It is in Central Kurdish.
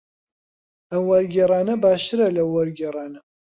ئەم وەرگێڕانە باشترە لەو وەرگێڕانە.